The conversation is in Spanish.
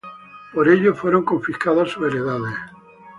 Por ello fueron confiscadas sus heredades.